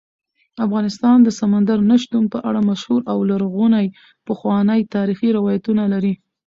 افغانستان د سمندر نه شتون په اړه مشهور او لرغوني پخواني تاریخی روایتونه لري.